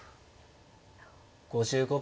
５５秒。